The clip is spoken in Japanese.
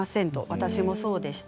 私もそうでした。